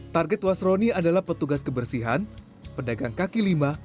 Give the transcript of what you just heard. target wasroni adalah petugas kebersihan pedagang kaki lima